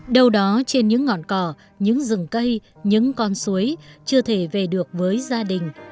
đâu đó trên những ngọn cỏ những rừng cây những con suối chưa thể về được với gia đình